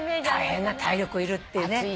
大変な体力いるっていうね。